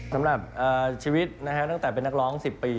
สำหรับชีวิตตั้งแต่เป็นนักร้อง๑๐ปี